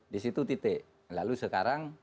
di situ titik lalu sekarang